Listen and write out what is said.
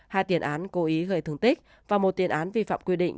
hai tiền án cố ý gây thương tích và một tiền án vi phạm quy định